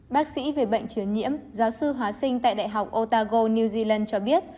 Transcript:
bác sĩ về bệnh truyền nhiễm giáo sư hóa sinh tại đại học ottago new zealand cho biết